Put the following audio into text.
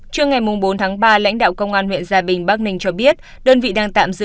trưa ngày bốn tháng ba lãnh đạo công an huyện gia bình bắc ninh cho biết đơn vị đang tạm giữ